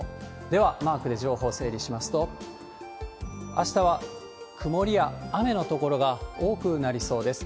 ではマークで情報整理しますと、あしたは曇りや雨の所が多くなりそうです。